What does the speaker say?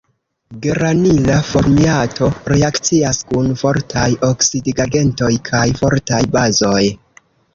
Geranila formiato reakcias kun fortaj oksidigagentoj kaj fortaj bazoj.